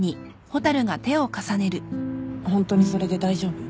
ホントにそれで大丈夫？